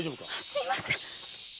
すみません。